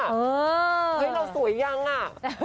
เฮ้ยเราสวยยังอ่ะ